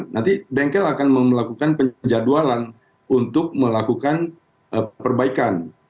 nanti dengkel akan melakukan penyadualan untuk melakukan perbaikan